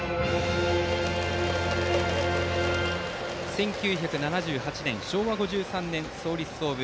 １９７８年、昭和５３年創立・創部。